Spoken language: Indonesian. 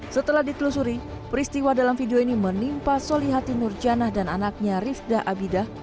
setelah ditelusuri peristiwa dalam video ini menimpa solihati nurjana dan anaknya rifda abidah